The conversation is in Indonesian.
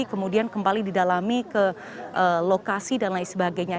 kemudian kembali didalami ke lokasi dan lain sebagainya